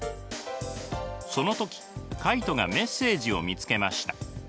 その時カイトがメッセージを見つけました。